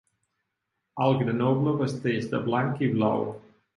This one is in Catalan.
El Grenoble vesteix de blanc i blau.